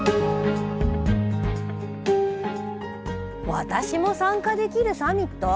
私も参加できるサミット？